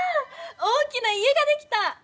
大きな家ができた！